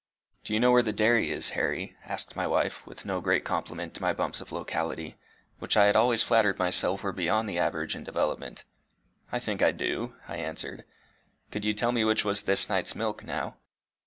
"Do you know where the dairy is, Harry?" asked my wife, with no great compliment to my bumps of locality, which I had always flattered myself were beyond the average in development. "I think I do," I answered. "Could you tell which was this night's milk, now?"